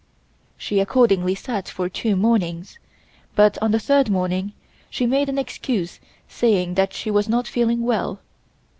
She accordingly sat for two mornings, but on the third morning she made an excuse saying that she was not feeling well.